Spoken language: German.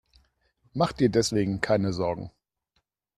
Mach dir deswegen keine Sorgen.